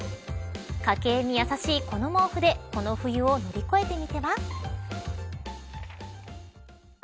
家計に優しいこの毛布でこの冬を乗り越えてみては。